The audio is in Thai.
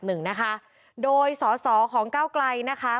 กรุงเทพฯมหานครทำไปแล้วนะครับ